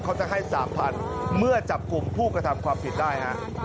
เขาจะให้๓๐๐๐เมื่อจับกลุ่มผู้กระทำความผิดได้ฮะ